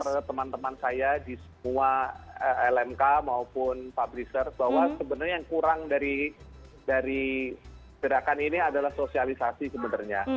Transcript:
saya selalu punya kritik sayang pada teman teman saya di semua lmk maupun publisher bahwa sebenarnya yang kurang dari gerakan ini adalah sosialisasi sebenarnya